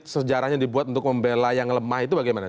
sejarahnya dibuat untuk membela yang lemah itu bagaimana